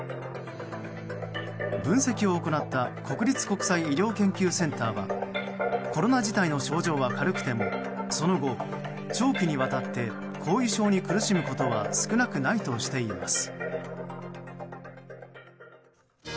分析を行った国立国際医療研究センターはコロナ自体の症状は軽くてもその後、長期にわたって後遺症に苦しむことは少なくないとしています。